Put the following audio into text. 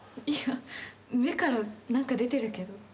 いや目から何か出てるけど。